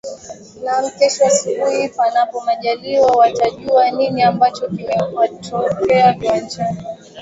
naam kesho asubuhi panapo majaliwa watajua nini ambacho kimetokea viwanja